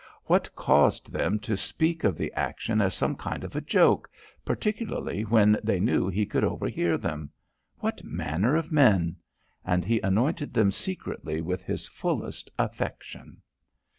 What caused them to speak of the action as some kind of a joke particularly when they knew he could overhear them? What manner of men? And he anointed them secretly with his fullest affection.